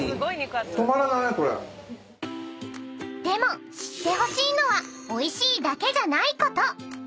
［でも知ってほしいのはおいしいだけじゃないこと］